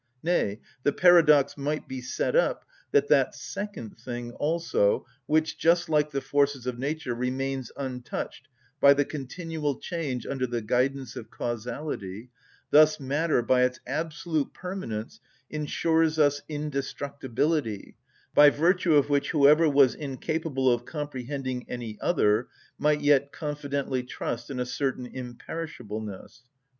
Nay, the paradox might be set up, that that second thing also which, just like the forces of nature, remains untouched by the continual change under the guidance of causality, thus matter, by its absolute permanence, insures us indestructibility, by virtue of which whoever was incapable of comprehending any other might yet confidently trust in a certain imperishableness.